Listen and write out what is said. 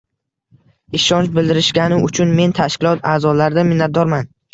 Ishonch bildirishgani uchun men tashkilot a’zolaridan minnatdorman